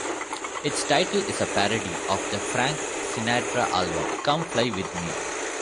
Its title is a parody of the Frank Sinatra album "Come Fly With Me".